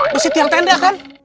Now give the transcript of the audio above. besi tiang tenda kan